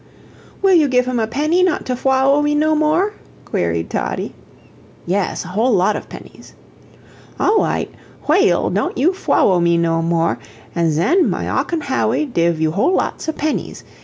"Will you give him a penny not to fwallow me no more?" queried Toddie. "Yes a whole lot of pennies." "Aw wight. Whay al, don't you fwallow me no more, an' zen my Ocken Hawwy div you whole lots of pennies.